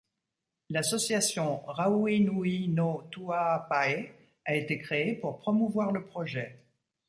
L’association Rahui Nui no Tuhaa Pae a été créée pour promouvoir le projet.